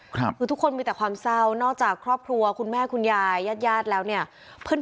คือทุกคนมีแต่ความเศร้านอกจากครอบครัวคุณแม่คุณยายญาติญาติแล้วเนี่ยเพื่อน